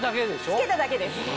着けただけです。